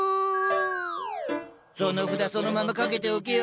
その札そのままかけておけよ。